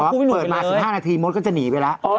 เปิดมา๑๕นาทีมดก็จะหนีไปแล้ว